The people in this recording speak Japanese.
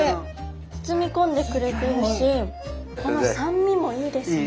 包み込んでくれてるしこの酸味もいいですね。